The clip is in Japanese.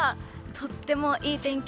とってもいい天気。